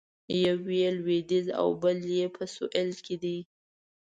یو یې لویدیځ او بل یې په سویل کې دی.